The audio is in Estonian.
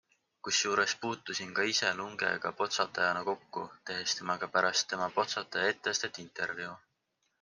Kusjuures puutusin ka ise Lungega Potsatajana kokku, tehes temaga pärast tema Potsataja etteastet intervjuu.